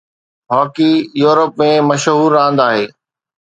hockey يورپ ۾ مشهور راند آهي